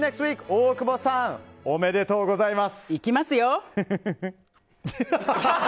大久保さんおめでとうございます。